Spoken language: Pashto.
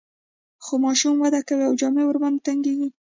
خو ماشوم وده کوي او جامې ورباندې تنګیږي.